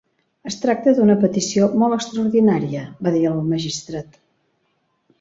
"Es tracta d'una petició molt extraordinària", va dir el magistrat.